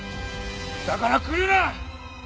だから来るな！